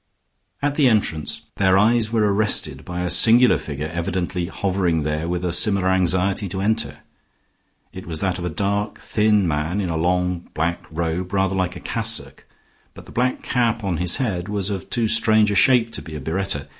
At the entrance their eyes were arrested by a singular figure evidently hovering there with a similar anxiety to enter. It was that of a dark, thin man in a long black robe rather like a cassock; but the black cap on his head was of too strange a shape to be a biretta.